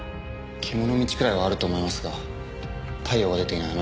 獣道くらいはあると思いますが太陽が出ていない